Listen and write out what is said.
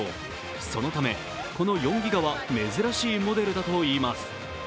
そのためこの４ギガは珍しいモデルだといいます。